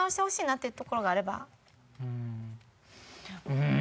うん。